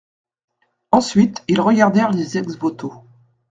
Ensuite ils regardèrent les ex-voto.